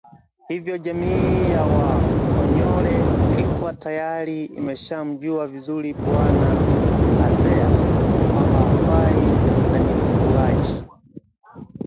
hivyo jamii ya wakonyole ilikuwa tayari imeshamjua vizuri bwana Azea kwamba hafai na ni muuaji